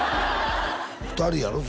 ２人やろ？